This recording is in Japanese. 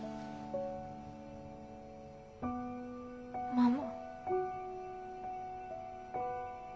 ママ。